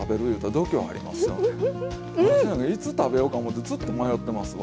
私なんかいつ食べようか思ってずっと迷ってますわ。